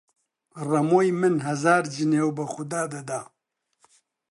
ڕەمۆی من هەزار جنێو بە خودا دەدا!